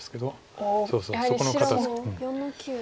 そうそうそこの肩ツキ。